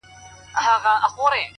د پخلنځي تودوخه د کور احساس ژوندي کوي’